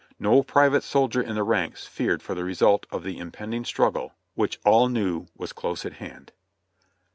No private soldier in the ranks feared for the result in the impending struggle which all knew was close at hand.